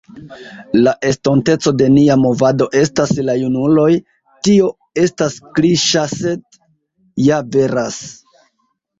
La estonteco de nia movado estas la junuloj, tio estas kliŝa sed ja veras.